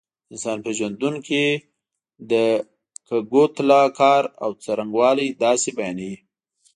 د انسان پېژندونکي د کګوتلا کار او څرنګوالی داسې بیانوي.